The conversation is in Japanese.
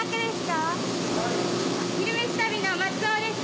「昼めし旅」の松尾です。